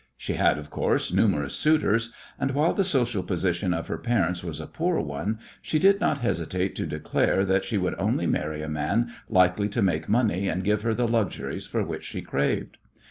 She had, of course, numerous suitors; and, while the social position of her parents was a poor one, she did not hesitate to declare that she would only marry a man likely to make money and give her the luxuries for which she craved.